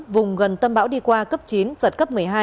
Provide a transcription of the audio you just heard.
vùng gần tâm bão đi qua cấp chín giật cấp một mươi hai